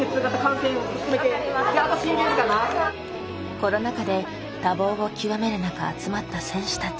コロナ禍で多忙を極める中集まった選手たち。